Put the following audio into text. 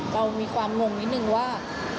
เรามีความงงนิดนึงว่า